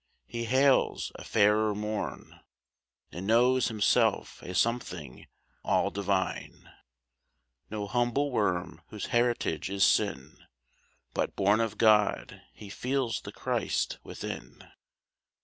He hails a fairer morn, And knows himself a something all divine; No humble worm whose heritage is sin, But, born of God, he feels the Christ within.